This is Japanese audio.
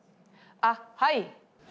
あっはい。